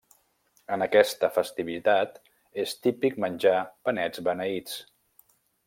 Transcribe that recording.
En aquesta festivitat és típic menjar panets beneïts.